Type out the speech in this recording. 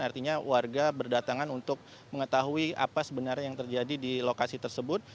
artinya warga berdatangan untuk mengetahui apa sebenarnya yang terjadi di lokasi tersebut